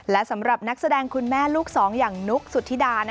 และสำหรับนักแสดงคุณแม่ลูกสองอย่างนุ๊กสุธิดา